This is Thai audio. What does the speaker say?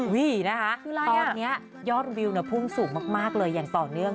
ตอนเนี่ยยอดวิวเนี่ยพุ่งสูงมากเลยอย่างต่อเนื่อง